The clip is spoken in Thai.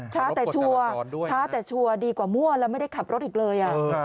ช้าแต่ชัวร์ดีกว่ามั่วแล้วไม่ได้ขับรถอีกเลย